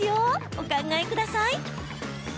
お考えください。